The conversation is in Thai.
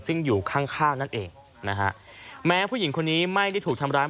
ซึ่งอยู่ข้างข้างนั่นเองนะฮะแม้ผู้หญิงคนนี้ไม่ได้ถูกทำร้าย